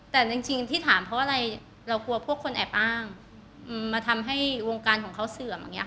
แต่จริงที่ถามเพราะอะไรเรากลัวพวกคนแอบอ้างมาทำให้วงการของเขาเสื่อมอย่างนี้ค่ะ